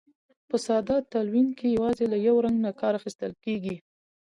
په ساده تلوین کې یوازې له یو رنګ نه کار اخیستل کیږي.